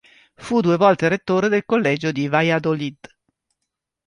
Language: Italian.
Fu due volte rettore del collegio di Valladolid.